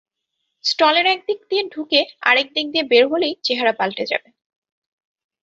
স্টলের একদিক দিয়ে ঢুকে আরেক দিক দিয়ে বের হলেই চেহারা পাল্টে যাবে।